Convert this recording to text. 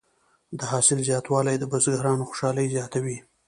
د حاصل زیاتوالی د بزګرانو خوشحالي زیاته وي.